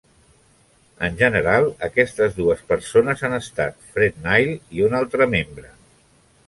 En general, aquestes dues persones han estat Fred Nile i un altre membre.